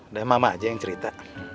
udah mama aja yang cerita